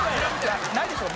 ないでしょう？